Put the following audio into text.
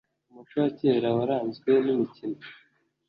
Umuco wa kera waranzwe nimikino